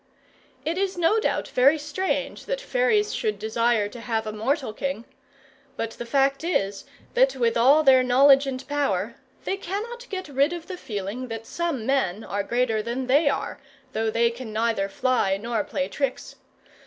It is no doubt very strange that fairies should desire to have a mortal king; but the fact is, that with all their knowledge and power, they cannot get rid of the feeling that some men are greater than they are, though they can neither fly nor play tricks.